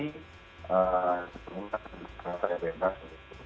sebetulnya saya bebas